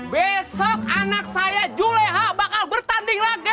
besok anak saya ju leha bakal bertanding lagi